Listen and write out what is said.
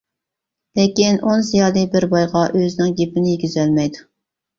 لېكىن ئون زىيالىي بىر بايغا ئۆزىنىڭ گېپىنى يېگۈزەلمەيدۇ.